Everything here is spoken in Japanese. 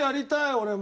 俺も。